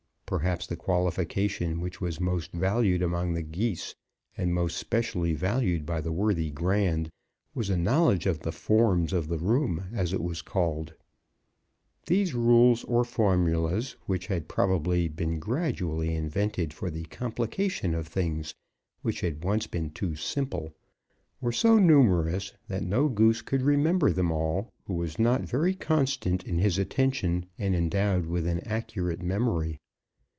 Perhaps the qualification which was most valued among The Geese, and most specially valued by The Worthy Grand, was a knowledge of the Forms of the Room, as it was called. These rules or formulas, which had probably been gradually invented for the complication of things which had once been too simple, were so numerous that no Goose could remember them all who was not very constant in his attention, and endowed with an accurate memory.